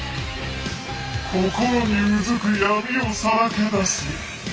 心にうずく闇をさらけ出せ。